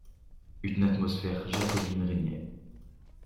Une atmosphère jacobine régnait.